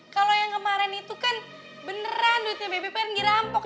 kalau yang kemarin itu kan beneran duitnya bppn dirampok